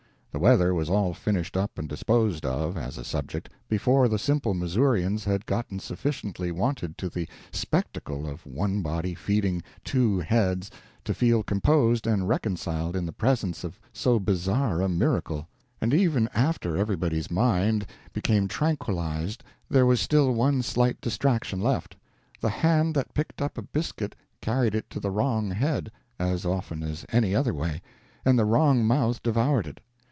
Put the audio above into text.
The weather was all finished up and disposed of, as a subject, before the simple Missourians had gotten sufficiently wonted to the spectacle of one body feeding two heads to feel composed and reconciled in the presence of so bizarre a miracle. And even after everybody's mind became tranquilized there was still one slight distraction left: the hand that picked up a biscuit carried it to the wrong head, as often as any other way, and the wrong mouth devoured it.